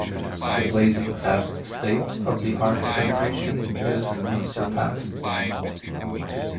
The blazing fast state of the art animation is unsurpassed.